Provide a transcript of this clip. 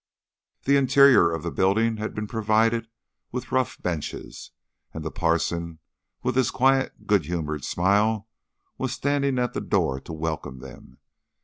The interior of the building had been provided with rough benches, and the parson, with his quiet good humoured smile, was standing at the door to welcome them.